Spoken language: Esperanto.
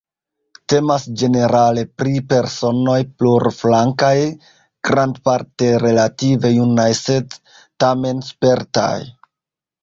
Temas ĝenerale pri personoj plurflankaj, grandparte relative junaj sed tamen spertaj.